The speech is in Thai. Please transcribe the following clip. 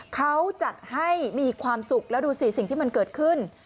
เขาจัดให้มีความสุขแล้วดูสิสิ่งที่มันเกิดขึ้น